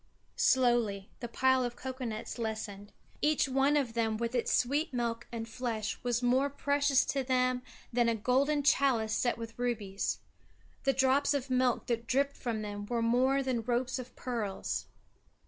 Slowly the pile of cocoa nuts lessened. Each one of them with its sweet milk and flesh was more precious to them than a golden chalice set with rubies. The drops of milk that dripped from them were more than ropes of pearls.